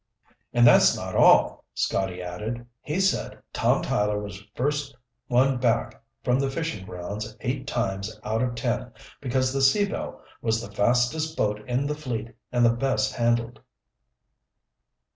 "And that's not all," Scotty added. "He said Tom Tyler was first one back from the fishing grounds eight times out of ten because the Sea Belle was the fastest boat in the fleet and the best handled."